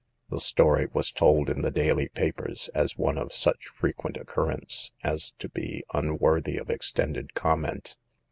The story was told in the daily papers as one of such frequent occurrence as to be un worthy of extended comment.